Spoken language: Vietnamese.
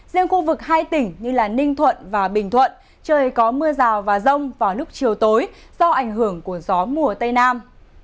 riêng khu vực hai tỉnh như ninh thuận và bình thuận trời có mưa rào và rông vào lúc chiều tối do ảnh hưởng của gió mùa tây nam